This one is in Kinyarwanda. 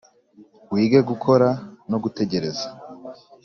wige gukora no gutegereza.